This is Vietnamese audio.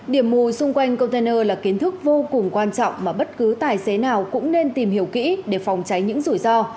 điểm mù xung quanh container là kiến thức vô cùng quan trọng mà bất cứ tài xế nào cũng nên tìm hiểu kỹ để phòng tránh những rủi ro